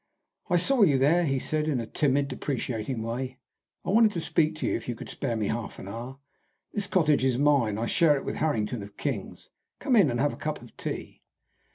"I saw you there," he said, in a timid, deprecating way. "I wanted to speak to you, if you could spare me a half hour. This cottage is mine. I share it with Harrington of King's. Come in and have a cup of tea."